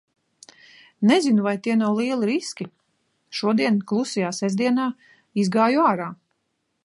Nezinu, vai te nav lieli riski. Šodien Klusajā sestdienā izgāju ārā.